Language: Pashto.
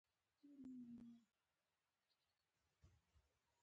مور ته به ووایم چې د هیلو نجلۍ مې پیدا کړه